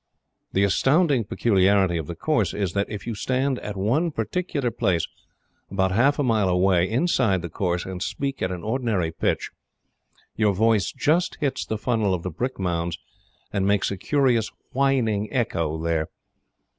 The astounding peculiarity of the course is that, if you stand at one particular place, about half a mile away, inside the course, and speak at an ordinary pitch, your voice just hits the funnel of the brick mounds and makes a curious whining echo there.